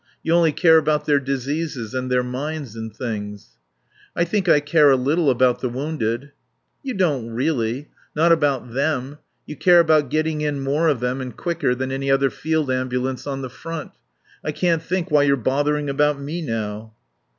You only care about their diseases and their minds and things." "I think I care a little about the wounded." "You don't really. Not about them. You care about getting in more of them and quicker than any other field ambulance on the front. I can't think why you're bothering about me now."